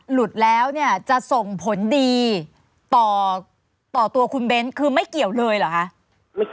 หลุดแล้วเนี่ยจะส่งผลดีต่อตัวคุณเบ้นคือไม่เกี่ยวเลยเหรอคะ